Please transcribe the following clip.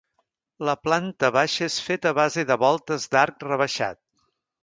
La planta baixa és feta a base de voltes d'arc rebaixat.